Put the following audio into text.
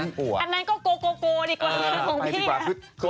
อันนั้นก็โกโกดีกว่าของพี่